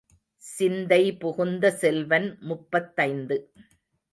சிந்தை புகுந்த செல்வன் முப்பத்தைந்து.